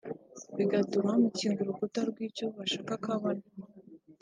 Bigatuma bamukinga urukuta rw’icyo bashaka ko abona